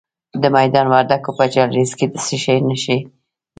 د میدان وردګو په جلریز کې د څه شي نښې دي؟